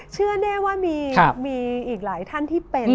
เชื่อแน่ว่ามีอีกหลายท่านที่เป็น